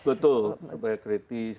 betul supaya kritis